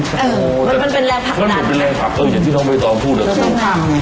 มันจะเป็นแรงผักอ่ะอย่างแบบนี้จนที่เราไม่ต้องพูดหรือเปล่า